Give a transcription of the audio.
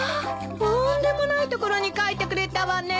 とんでもないところに書いてくれたわね。